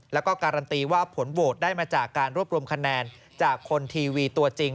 แล้วก็การันตีว่าผลโหวตได้มาจากการรวบรวมคะแนนจากคนทีวีตัวจริง